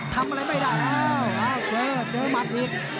ทำอะไรไม่ได้แล้วเอ้าเจอมาตรีก